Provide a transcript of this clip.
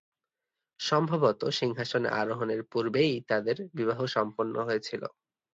সম্ভবত সিংহাসনে আরোহণের পূর্বেই তাঁদের বিবাহ সম্পন্ন হয়েছিল।